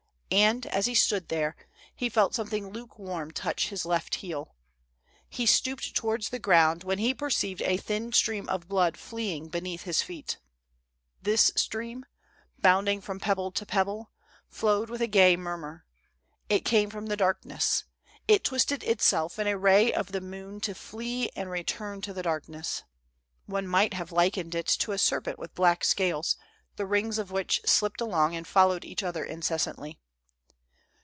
And, as he stood there, he felt something lukewarm touch his left heel. He stooped towards the ground, when he perceived a thin stream of blood fleeing be neath his feet. This stream, bounding from pebble to pebble, flowed with a gay murmur ; it came from the darkness — it twisted itself in a ray of the moon to flee and return to the darkness; one might have likened it to a serpent with black scales, the rings of which slipped along and followed each other incessantly.